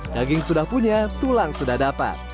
daging sudah punya tulang sudah dapat